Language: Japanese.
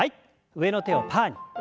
上の手をパーに。